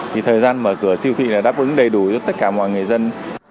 thì thời gian mở cửa siêu thị là đáp ứng đầy đủ cho tất cả mọi người dân